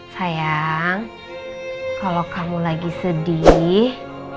sayang kalau kamu lagi sedih